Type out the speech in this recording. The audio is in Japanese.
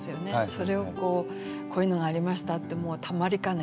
それを「こういうのがありました」ってもうたまりかねて報告した。